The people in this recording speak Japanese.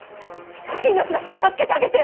命だけは助けてあげて！